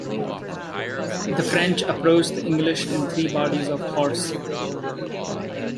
The French approached the English in three bodies of horse.